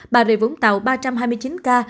bà rịa vũng tàu ba trăm hai mươi chín ca